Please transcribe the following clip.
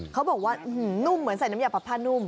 เขาบอกว่านุ่มเหมือนใส่น้ำยาปรับผ้านุ่ม